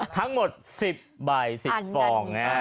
ทั้งหมด๑๐บ่าย๑๐ฟอง